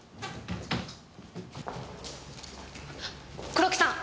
黒木さん！